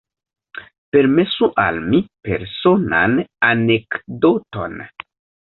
Permesu al mi personan anekdoton.